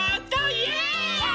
イエーイ！